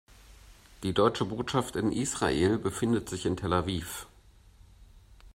Die Deutsche Botschaft in Israel befindet sich in Tel Aviv.